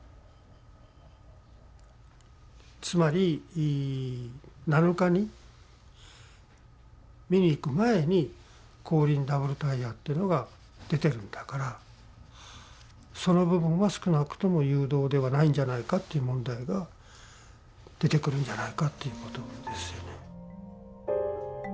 つまり７日に見に行く前に後輪ダブルタイヤっていうのが出てるんだからその部分は少なくとも誘導ではないんじゃないかという問題が出てくるんじゃないかっていうことですよね。